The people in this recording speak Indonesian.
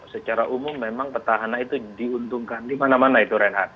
secara umum memang petahana itu diuntungkan dimana mana itu renhard